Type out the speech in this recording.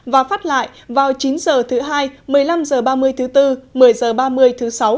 và phát lại vào chín h thứ hai một mươi năm h ba mươi thứ tư một mươi h ba mươi thứ sáu